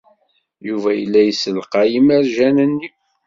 Yuba yella yessalqay imerjan-nni.